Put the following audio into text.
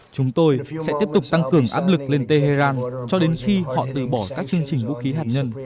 chúng tôi sẽ tiếp tục tăng cường áp lực lên tehran cho đến khi họ từ bỏ các chương trình vũ khí hạt nhân